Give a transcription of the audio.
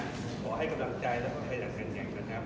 ขอให้กำลังใจและขอให้อย่างแข็งแข็งนะครับ